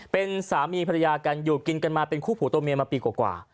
เป็นสามีภรรยากันอยู่กินกันมาเป็นคู่ผัวตัวเมียมาปีกว่า